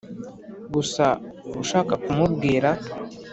gusa ushaka kumubwira